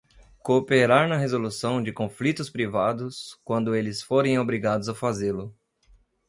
Cooperar na resolução de conflitos privados quando eles forem obrigados a fazê-lo.